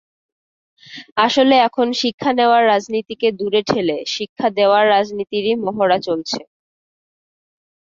আসলে এখন শিক্ষা নেওয়ার রাজনীতিকে দূরে ঠেলে শিক্ষা দেওয়ার রাজনীতিরই মহড়া চলছে।